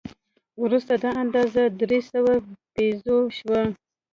وروسته دا اندازه درې سوه پیزو شوه.